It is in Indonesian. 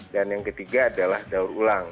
dan yang ketiga adalah daur ulang